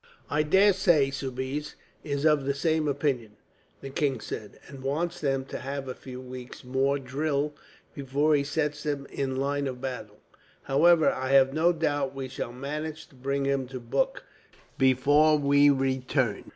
"I daresay Soubise is of the same opinion," the king said, "and wants them to have a few weeks' more drill before he sets them in line of battle. However, I have no doubt we shall manage to bring him to book, before we return.